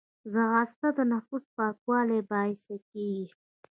ځغاسته د نفس پاکوالي باعث کېږي